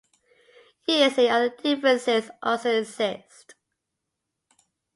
Usually other differences also exist.